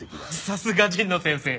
さすが神野先生！